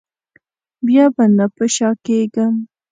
بیا به نه په شا کېږم.